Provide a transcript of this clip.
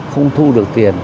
không thu được tiền